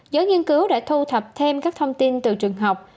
giới nghiên cứu đã thu thập thêm các thông tin từ trường học